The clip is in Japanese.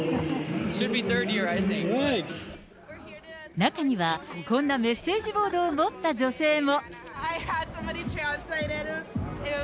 中には、こんなメッセージボードを持った女性も。